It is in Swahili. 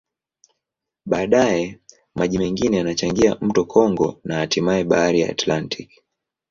Baadaye, maji mengine yanachangia mto Kongo na hatimaye Bahari ya Atlantiki.